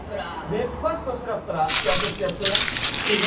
熱波師としてだったら雇ってやってもいいぞ。